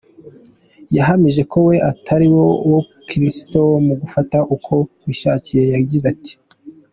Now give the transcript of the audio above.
Yahamije ko we atari wa mukristo wo gufata uko wishakiye, yagize ati:.